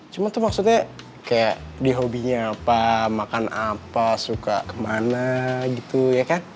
cuma tuh maksudnya kayak di hobinya apa makan apa suka kemana gitu ya kan